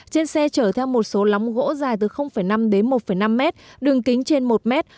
trên xe chở theo một số lóng gỗ dài từ năm đến một năm mét đường kính trên một mét